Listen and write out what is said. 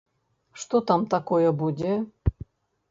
Што там такое будзе?